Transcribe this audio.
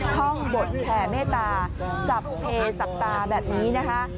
ท่องบทแผ่เมตตาสับเพสับตาแบบนี้นะคะ